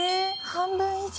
半分以上？